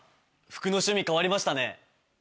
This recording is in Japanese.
服の趣味変わりましたね。